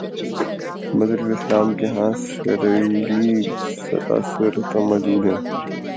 مظہر الاسلام کے ہاں سرئیلی تاثرات موجود ہیں